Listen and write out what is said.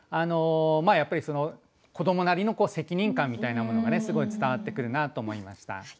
やっぱり子どもなりの責任感みたいなものがねすごい伝わってくるなと思いました。